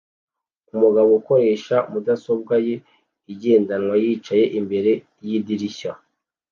Umugabo akoresha mudasobwa ye igendanwa yicaye imbere yidirishya